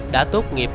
đã tuốt nghiệp